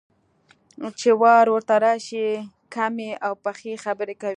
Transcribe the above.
چې وار ورته راشي، کمې او پخې خبرې کوي.